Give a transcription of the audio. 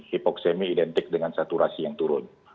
hipoksemi identik dengan saturasi yang turun